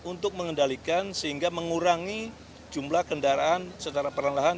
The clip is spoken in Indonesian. untuk mengendalikan sehingga mengurangi jumlah kendaraan secara perlahan lahan